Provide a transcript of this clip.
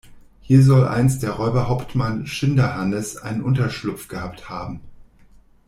Hier soll einst der Räuberhauptmann Schinderhannes einen Unterschlupf gehabt haben.